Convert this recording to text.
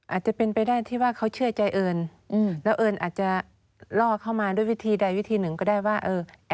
อาจจะเป็นไปได้ที่ว่าเขาเชื่อใจเอิญแล้วเอิญอาจจะล่อเข้ามาด้วยวิธีใดวิธีหนึ่งก็ได้ว่าเออ